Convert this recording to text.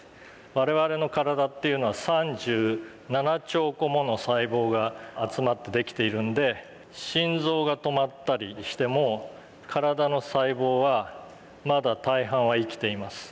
我々の体っていうのは３７兆個もの細胞が集まってできているんで心臓が止まったりしても体の細胞はまだ大半は生きています。